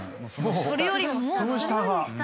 それよりも下の。